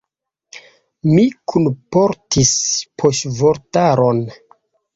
Mi kunportis poŝvortaron.